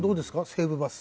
西武バス。